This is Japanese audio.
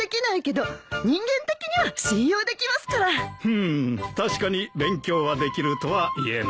うん確かに勉強はできるとは言えないなあ。